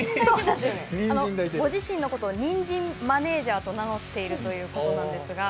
ご自身のことをにんじんマネージャーと名乗っているということなんですが。